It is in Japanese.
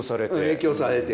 影響されて。